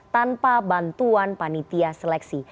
tanpa bantuan panitia seleksi